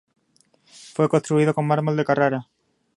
Fue construido con mármol de Carrara.